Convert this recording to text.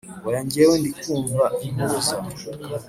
Oya ngewe ndikumva impuruza